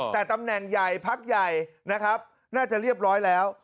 แต่ตำแหน่งใหญ่พักใหญ่นะครับน่าจะเรียบร้อยแล้ว